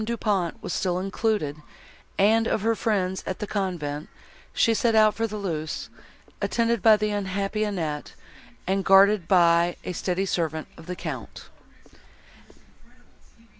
Du Pont was still included, and of her friends at the convent, she set out for Thoulouse, attended by the unhappy Annette, and guarded by a steady servant of the Count.